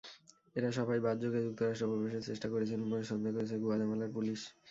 এঁরা সবাই বাসযোগে যুক্তরাষ্ট্রে প্রবেশের চেষ্টা করছিলেন বলে সন্দেহ করছে গুয়াতেমালার পুলিশ।